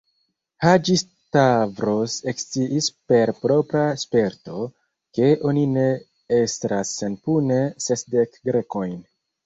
Haĝi-Stavros eksciis per propra sperto, ke oni ne estras senpune sesdek Grekojn.